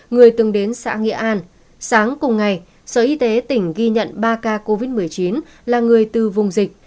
người từng đến xã nghĩa an sáng cùng ngày sở y tế tỉnh ghi nhận ba ca covid một mươi chín là người từ vùng dịch